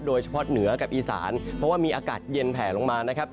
โดยเฉพาะเหนือกับอีสานเพราะว่ามีอากาศเย็นแผลลงมานะครับ